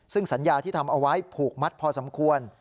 ซึ่งสัญญาที่ทำเอาไว้ผูกมัดพอสมควร